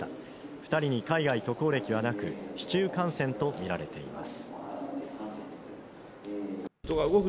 二人に海外渡航歴はなく市中感染と見られています